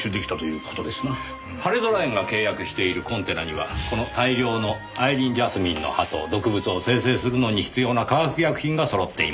はれぞら園が契約しているコンテナにはこの大量のアイリーンジャスミンの葉と毒物を生成するのに必要な化学薬品が揃っていました。